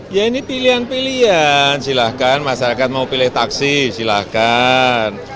ya ini pilihan pilihan silahkan masyarakat mau pilih taksi silahkan